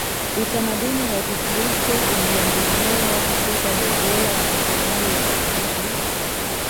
utamaduni wa Kikristo uliendelea Kutoka Dongola wamisionari walifika